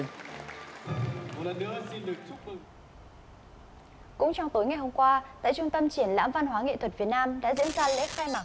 cũng trong tối ngày hôm qua tại trung tâm triển lãm văn hóa nghệ thuật việt nam đã diễn ra lễ khai mạc